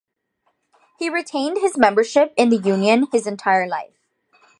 He retained his membership in the union his entire life.